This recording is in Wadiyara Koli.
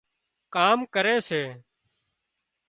ڪام ڪري سي